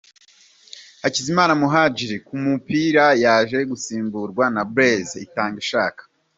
Hakizimana Muhadjili ku mupira yaje gusimburwa na Blaise Itangishaka .